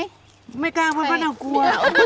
ไม่ค่ะป่านาวกลัว